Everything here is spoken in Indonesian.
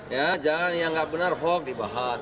ya jangan yang nggak benar hoax dibahas